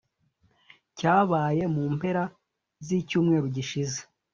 cyabaye mu mpera z’icyumweru gishize